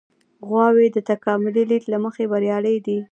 غواوې د تکاملي لید له مخې بریالۍ دي.